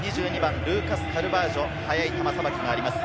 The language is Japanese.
ルーカス・カルバージョ、速い球さばきがあります。